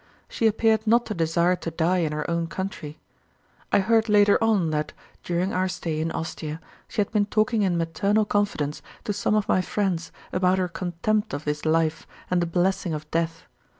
she appeared not to desire to die in her own country. I heard later on that, during our stay in Ostia, she had been talking in maternal confidence to some of my friends about her contempt of this life and the blessing of death.